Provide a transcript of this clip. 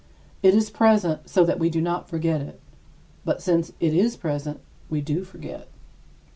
It is present so that we do not forget it, but since it is present, we do forget.